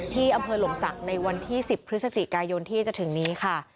ที่อำเภอหลมศักดิ์ในวันที่๑๐พฤศจิกายนที่จะถึงนี้ค่ะ